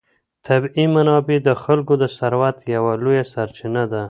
طبیعي منابع د خلکو د ثروت یوه لویه سرچینه ده.